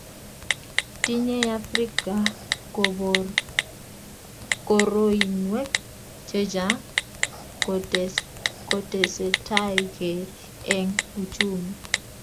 Tinyei afrika boroinwek chechang kotesetaikei eng uchumi